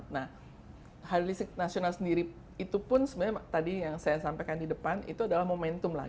nah hari listrik nasional sendiri itu pun sebenarnya tadi yang saya sampaikan di depan itu adalah momentum lah